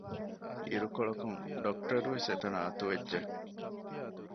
އިރުކޮޅަކުން ޑޮކްޓަރުވެސް އެތަނަށް އަތުވެއްޖެ